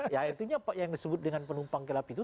ya artinya yang disebut dengan penumpang gelap itu